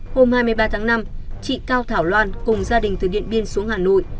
hôm hai mươi ba tháng năm chị cao thảo loan cùng gia đình từ điện biên xuống hà nội